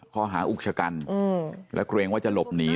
เขาหาอุกชกันแล้วเครียงว่าจะหลบหนี